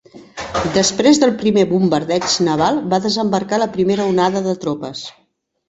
Després del primer bombardeig naval va desembarcar la primera onada de tropes.